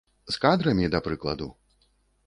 З кадрамі, да прыкладу?